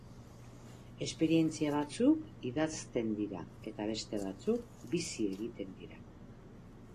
Esperientzia batzuk idazten dira eta beste batzuk bizi egiten dira.